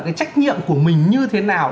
cái trách nhiệm của mình như thế nào